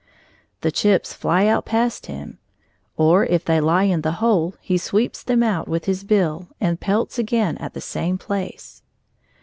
The chips fly out past him, or if they lie in the hole, he sweeps them out with his bill and pelts again at the same place.